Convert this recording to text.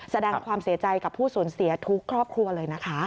แสดงความเสียใจกับผู้สูญเสียทุกครอบครัวเลยนะคะ